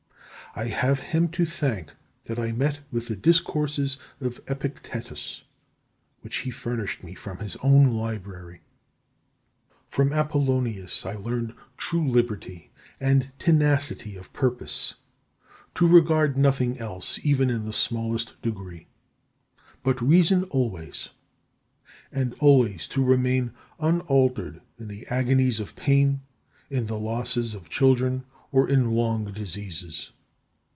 I have him to thank that I met with the discourses of Epictetus, which he furnished me from his own library. 8. From Apollonius I learned true liberty, and tenacity of purpose; to regard nothing else, even in the smallest degree, but reason always; and always to remain unaltered in the agonies of pain, in the losses of children, or in long diseases.